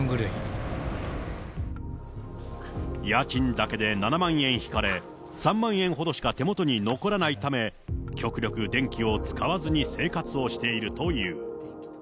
家賃だけで７万円引かれ、３万円ほどしか手元に残らないため、極力電気を使わずに生活をしているという。